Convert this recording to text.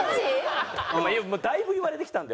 だいぶ言われてきたんで。